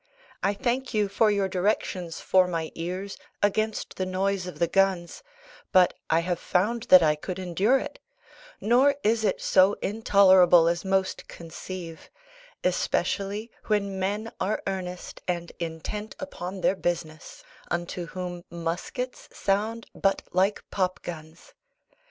I thank you for your directions for my ears against the noise of the guns, but I have found that I could endure it; nor is it so intolerable as most conceive; especially when men are earnest, and intent upon their business, unto whom muskets sound but like pop guns.